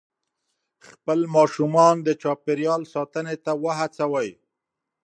خپل ماشومان د چاپېریال ساتنې ته وهڅوئ.